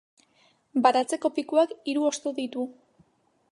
Baratzeko pikuak hiru hosto ditu.